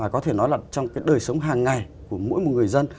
có thể nói là trong cái đời sống hàng ngày của mỗi một người dân